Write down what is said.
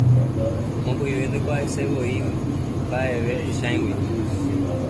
Mokõive ndoikuaaseivoi mba'eve Pychãigui.